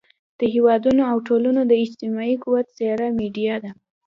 د هېوادونو او ټولنو د اجتماعي قوت څېره میډیا ده.